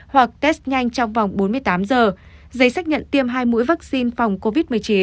hoặc test nhanh trong vòng bốn mươi tám giờ giấy xác nhận tiêm hai mũi vaccine phòng covid một mươi chín